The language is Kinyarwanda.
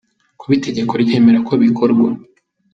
kuba itegeko ryemera ko bikorwa